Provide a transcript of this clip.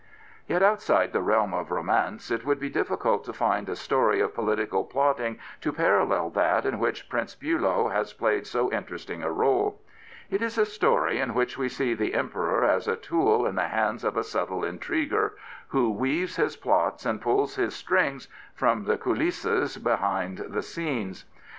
Yet outside the realm of romance it would be difli cult to find a story of political plotting to parallel that in which Prince Bulow has played so interesting a r61e. It is a story in which we see the Emperor as a tool in the hands of a subtle intriguer who weaves his plots and pulls his strings from the coulisses behind the scenes.